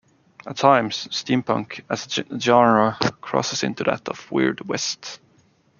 At times, steampunk as a genre crosses into that of weird west.